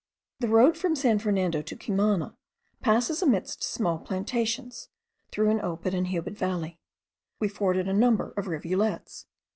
The road from San Fernando to Cumana passes amidst small plantations, through an open and humid valley. We forded a number of rivulets.